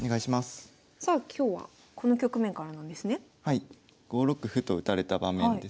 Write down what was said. ５六歩と打たれた場面です。